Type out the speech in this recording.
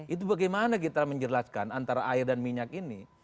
itu bagaimana kita menjelaskan antara air dan minyak ini